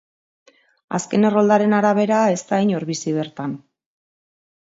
Azken erroldaren arabera ez da inor bizi bertan.